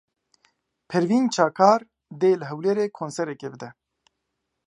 Pervîn Çakar dê li Hewlêrê konserekê bide.